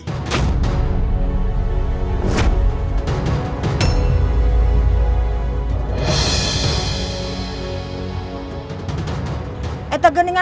kita harus berhenti